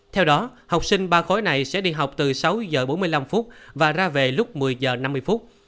theo đó học sinh ba khối này sẽ đi học từ sáu giờ bốn mươi năm phút và ra về lúc một mươi giờ năm mươi phút